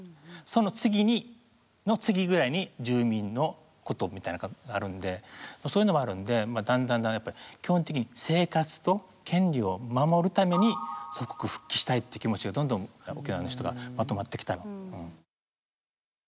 その次にの次ぐらいに住民のことみたいなのがあるんでそういうのがあるんでだんだんだんだんやっぱり基本的に生活と権利を守るために祖国復帰したいって気持ちがどんどん沖縄の人がまとまってきたの。